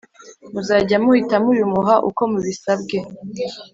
muzajya muhita mubimuha uko mubisabwe